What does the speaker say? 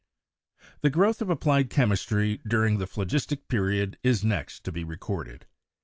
The growth of applied chemistry during the Phlogistic Period is next to be recorded.